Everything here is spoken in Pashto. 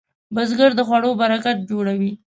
بزګر د خوړو برکت جوړوي